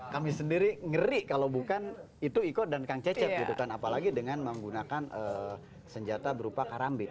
kami sendiri ngeri kalau bukan itu iko dan kang cecep gitu kan apalagi dengan menggunakan senjata berupa karambik